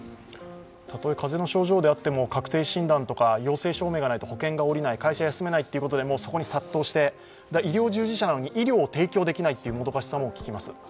たとえ風邪の症状であっても確定診断とか陽性証明がないと保険が下りない、会社休めないということでそこに殺到して、医療従事者なのに医療を提供できないというもどかしかさも聞きます。